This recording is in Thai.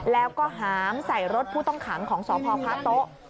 แล้วก็หามใส่รถผู้ต้องขังของสพพระโต๊ะ